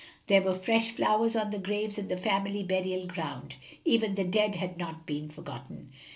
There were fresh flowers on the graves in the family burial ground, even the dead had not been forgotten.